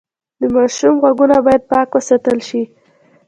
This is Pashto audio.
د ماشوم غوږونه باید پاک وساتل شي۔